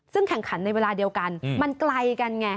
ซึ่งแข่งขันในเวลาเดียวกันมันไกลกันไง